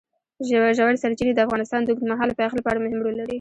ژورې سرچینې د افغانستان د اوږدمهاله پایښت لپاره مهم رول لري.